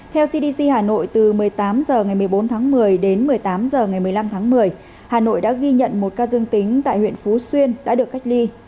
theo cdc hà nội từ một mươi tám h ngày một mươi bốn tháng một mươi đến một mươi tám h ngày một mươi năm tháng một mươi hà nội đã ghi nhận một ca dương tính tại huyện phú xuyên đã được cách ly